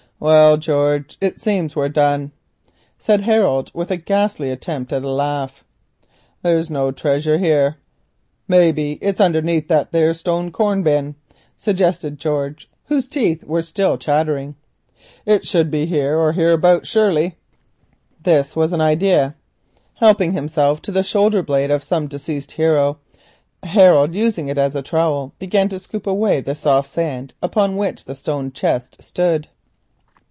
"Well, George, it seems we're done," said Harold, with a ghastly attempt at a laugh. "There's no treasure here." "Maybe it's underneath that there stone corn bin," suggested George, whose teeth were still chattering. "It should be here or hereabouts, surely." This was an idea. Helping himself to the shoulder blade of some deceased hero, Harold, using it as a trowel, began to scoop away the soft sand upon which the stone chest stood.